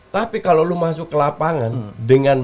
tapi kalo lu masuk ke lapangan dengan